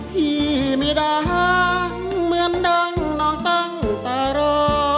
พี่มีดังเหมือนดังน้องตั้งตารอ